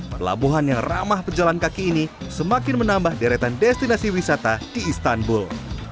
perlabuhan yang ramah pejalan kaki ini semakin menambah deretan destinasi wisata di istanbul